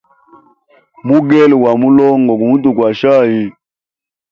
Mugele gwa gu mulongo, gumutukwasha ayi?